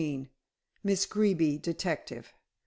MISS GREEBY, DETECTIVE.